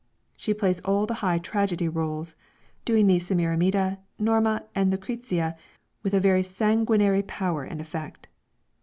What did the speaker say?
She plays all the high tragedy roles, doing the Semiramide, Norma and Lucrezia, with a very sanguinary power and effect.